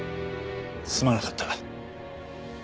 すまなかった。